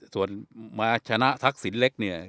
ส่วนมาชนะทักษิณเล็กเนี่ย